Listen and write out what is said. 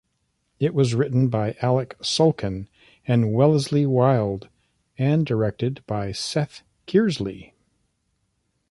It was written by Alec Sulkin and Wellesley Wild and directed by Seth Kearsley.